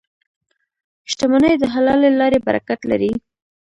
• شتمني د حلالې لارې برکت لري.